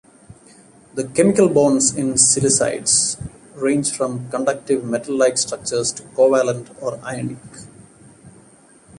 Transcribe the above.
The chemical bonds in silicides range from conductive metal-like structures to covalent or ionic.